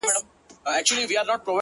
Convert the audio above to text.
• سپوږمۍ هغې ته په زاریو ویل ؛